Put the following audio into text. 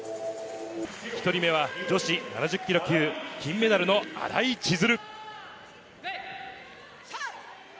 １人目は女子７０ｋｇ級、金メダルの新井千鶴。